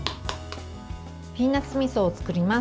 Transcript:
ピーナツみそを作ります。